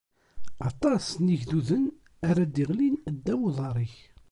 Aṭas n yigduden ara d-iɣlin ddaw uḍar-ik.